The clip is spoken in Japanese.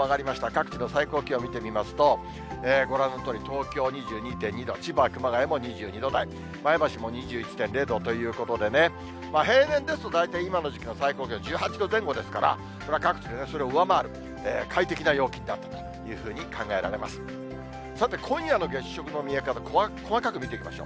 各地の最高気温見てみますと、ご覧のとおり、東京２２．２度、千葉、熊谷も２２度台、前橋も２１．０度ということでね、平年ですと、大体今の時期の最高気温１８度前後ですから、これは各地でそれを上回る快適な陽気になるというふうに考えられます。